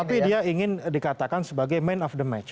tetapi dia ingin dikatakan sebagai men of the match